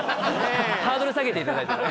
ハードル下げていただいて。